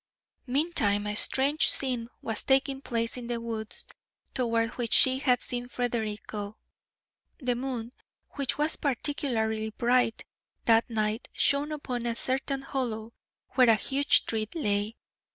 Meantime a strange scene was taking place in the woods toward which she had seen Frederick go. The moon, which was particularly bright that night, shone upon a certain hollow where a huge tree lay.